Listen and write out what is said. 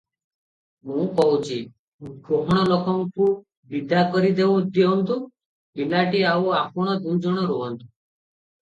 ମୁଁ କହୁଛି, ଗହଣ ଲୋକଙ୍କୁ ବିଦା କରି ଦେଉନ୍ତୁ, ପିଲାଟି ଆଉ ଆପଣ ଦୁଇଜଣ ରହନ୍ତୁ ।